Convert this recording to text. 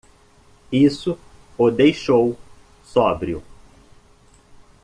Isso o deixou sóbrio.